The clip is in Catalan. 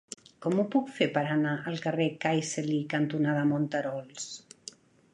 Com ho puc fer per anar al carrer Cai Celi cantonada Monterols?